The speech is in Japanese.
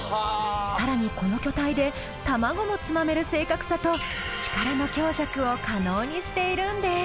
更にこの巨体で卵もつまめる正確さと力の強弱を可能にしているんです。